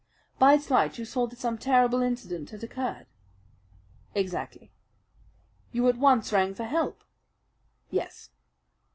"By its light you saw that some terrible incident had occurred?" "Exactly." "You at once rang for help?" "Yes."